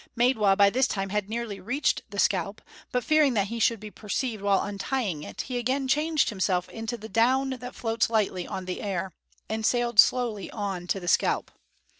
Maidwa by this time had nearly reached the scalp, but fearing that he should be perceived while untying it, he again changed himself into the down that floats lightly on the air, and sailed slowly on to the scalp.